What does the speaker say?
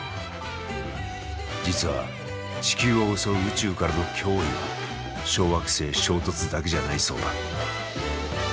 実は地球を襲う宇宙からの脅威は小惑星衝突だけじゃないそうだ。